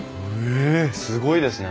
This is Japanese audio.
えすごいですね。